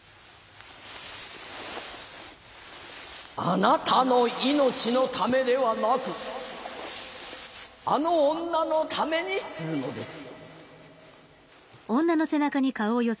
あなたの命のためではなくあの女のためにするのです。